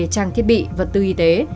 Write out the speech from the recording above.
trang thiết bị vật tư y tế